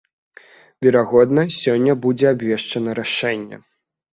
Верагодна, сёння будзе абвешчана рашэнне.